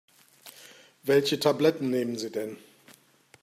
Welche Tabletten nehmen Sie denn?